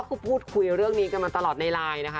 ก็พูดคุยเรื่องนี้กันมาตลอดในไลน์นะคะ